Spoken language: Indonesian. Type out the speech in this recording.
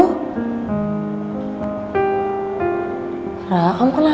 pernah kamu kenapa